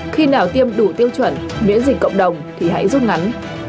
khi nào tiêm đủ tiêu chuẩn miễn dịch cộng đồng thì hãy rút ngắn